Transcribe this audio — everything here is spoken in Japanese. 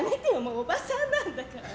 おばさんなんだから！